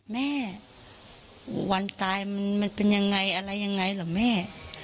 แม่วันตายมันเป็นยังไงอะไรยังไงเหรอแม่